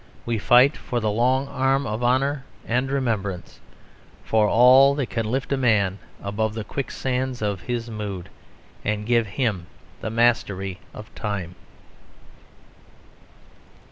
We fight for the long arm of honour and remembrance; for all that can lift a man above the quicksands of his moods, and give him the mastery of time."